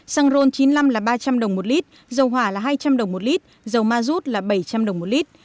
xăng ron chín mươi năm là ba trăm linh đồng một lít dầu hỏa là hai trăm linh đồng một lít dầu ma rút là bảy trăm linh đồng một lít